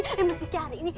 ini masih cari